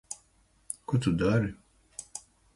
Ko tu dari?